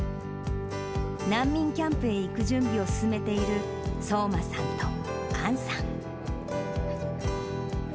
難民キャンプへ行く準備を進めている聡真さんと杏さん。